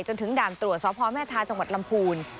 จนถึงด่านตรวจศพแม่ธาจังหวัดลำพูน